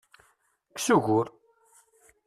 Kkes ugur!